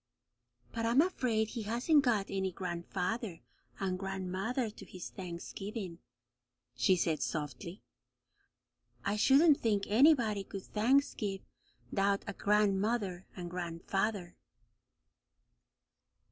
"But I'm afraid he hasn't got any gran'father and gran'mother to his Thanksgiving," she said softly. "I shouldn't think anybody could thanksgive 'thout a gran'mother and gran'father."